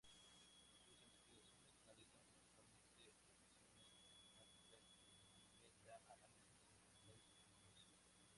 Sus investigaciones analizan principalmente revisiones sistemáticas y meta análisis sobre ensayos clínicos.